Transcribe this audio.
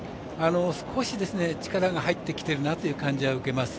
少し力が入ってきているなという感じは受けます。